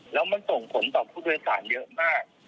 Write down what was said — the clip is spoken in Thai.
แล้วมันส่งผลต่อผู้โดยสารเยอะมาก